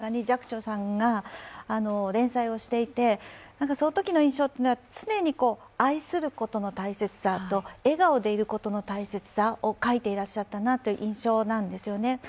昔、継続して読んでいた新聞だったか雑誌だったかに寂聴さんが連載をしていて、そのときの印象というのは、常に愛することの大切さと笑顔でいることの大切さを書いていらっしゃったなという印象なんですよね。